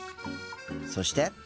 そして。